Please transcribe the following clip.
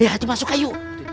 ya itu masuk ayo